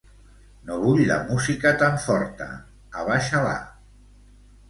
No vull la música tan forta, abaixa-la.